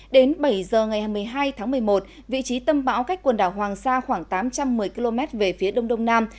đến bảy giờ ngày hai mươi hai tháng một mươi một vị trí tâm bão cách quần đảo hoàng sa khoảng tám trăm một mươi km về phía đông đông nam